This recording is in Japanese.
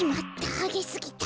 あげすぎた。